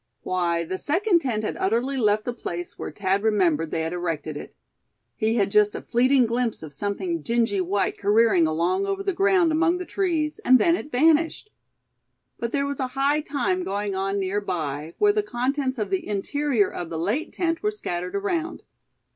Why, the second tent had utterly left the place where Thad remembered they had erected it. He had just a fleeting glimpse of something dingy white careering along over the ground among the trees, and then it vanished. But there was a high time going on near by, where the contents of the interior of the late tent were scattered around.